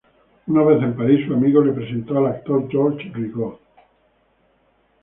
Una vez en París, su amigo le presentó al actor George Rigaud.